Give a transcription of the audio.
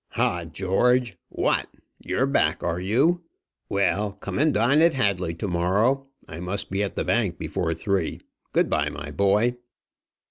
"Ha! George what; you're back, are you? Well, come and dine at Hadley to morrow. I must be at the Bank before three. Good bye, my boy."